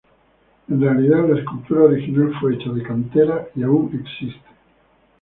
En realidad, la escultura original fue hecha de cantera y aún existe.